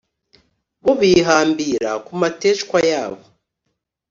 bo bihambira ku mateshwa yabo